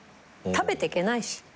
食べてけないし。